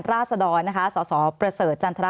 สวัสดีครับทุกคน